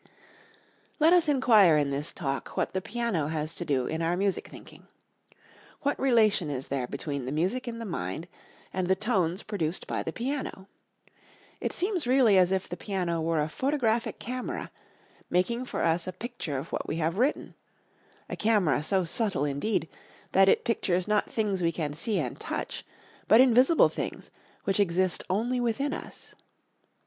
Let us inquire in this Talk what the piano has to do in our music thinking. What relation is there between the music in the mind and the tones produced by the piano? It seems really as if the piano were a photographic camera, making for us a picture of what we have written, a camera so subtle indeed, that it pictures not things we can see and touch, but invisible things which exist only within us.